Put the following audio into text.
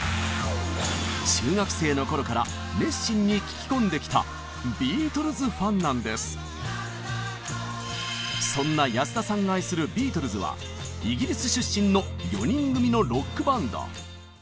中学生の頃からそんな安田さんが愛するビートルズはイギリス出身の４人組のロックバンド。